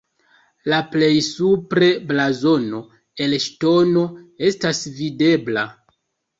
La plej supre blazono el ŝtono estas videbla.